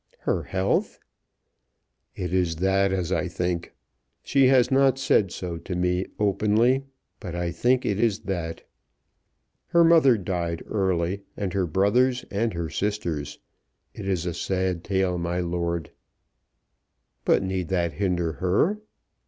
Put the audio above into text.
"Her health!" "It is that as I think. She has not said so to me openly; but I think it is that. Her mother died early, and her brothers and her sisters. It is a sad tale, my lord." "But need that hinder her?"